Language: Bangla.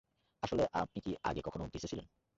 আসলে, আপনি কি আগে কখনো গ্রিসে ছিলেন?